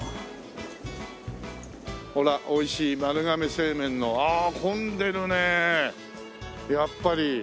ほらおいしい丸亀製麺のああ混んでるねやっぱり。